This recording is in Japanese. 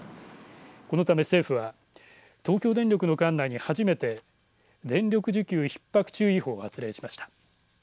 このため政府は東京電力の管内に初めて電力需給ひっ迫注意報を発令しました。